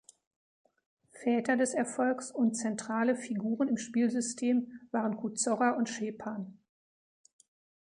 Väter des Erfolgs und zentrale Figuren im Spielsystem waren Kuzorra und Szepan.